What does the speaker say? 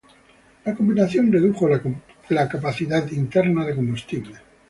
La combinación redujo la capacidad interna de combustible.